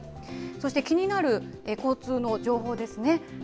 そして気になる交通の情報ですね。